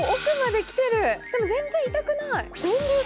ぜも全然痛くない。